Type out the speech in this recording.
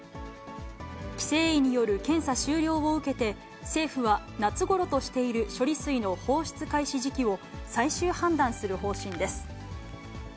規制委による検査終了を受けて、政府は夏ごろとしている処理水の放出開始時期を、最終判断する方針です。